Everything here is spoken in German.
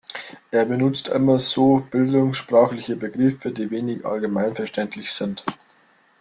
Er benutzt immer so bildungssprachliche Begriffe, die wenig allgemeinverständlich sind.